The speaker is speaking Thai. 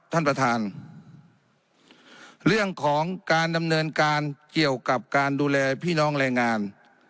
ท่านประธานเรื่องของการดำเนินการเกี่ยวกับการดูแลพี่น้องแรงงาน